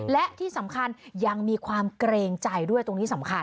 และที่สำคัญยังมีความเกรงใจด้วยตรงนี้สำคัญ